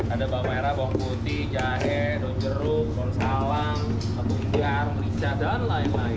ada bawang merah bawang putih jahe dojero korn salam abun gar merica dan lain lain